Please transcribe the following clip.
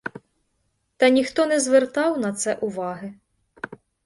Та ніхто не звертав на це уваги.